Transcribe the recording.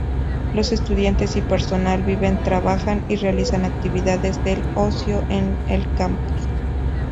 Los estudiantes y personal viven, trabajan y realizan actividades de ocio en el campus.